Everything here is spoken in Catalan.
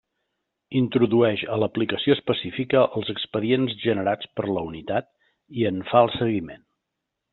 Introdueix a l'aplicació específica els expedients generats per la unitat i en fa el seguiment.